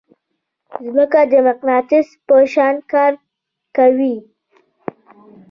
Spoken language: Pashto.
ځمکه د مقناطیس په شان کار کوي.